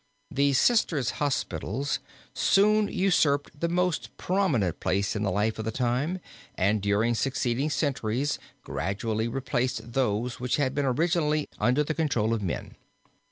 The sisters' hospitals soon usurped the most prominent place in the life of the time and during succeeding centuries gradually replaced those which had been originally under the control of men.